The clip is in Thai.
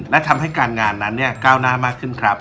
และทำให้การงานนั้นเนี่ยกล่าวนานมากขึ้นครับ